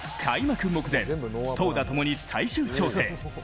開幕目前、投打ともに最終調整。